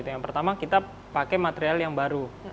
yang pertama kita pakai material yang baru